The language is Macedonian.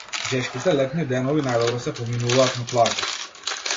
Жешките летни денови најдобро се поминуваат на плажа.